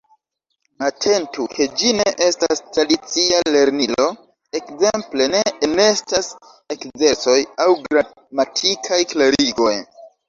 Atentu, ke ĝi ne estas tradicia lernilo: ekzemple, ne enestas ekzercoj aŭ gramatikaj klarigoj.